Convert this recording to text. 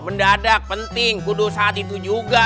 mendadak penting kudus saat itu juga